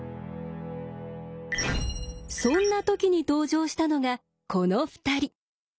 そんなときに登場したのがこの２人。